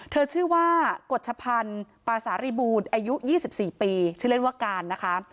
ชื่อว่ากฎชพันธ์ปาสาริบูรณ์อายุ๒๔ปีชื่อเล่นว่าการนะคะ